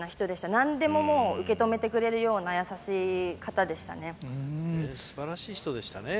なんでももう受け止めてくれるよすばらしい人でしたね。